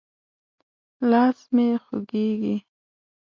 لاس مې خوږېږي.